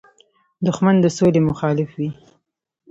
دښمن د سولې مخالف وي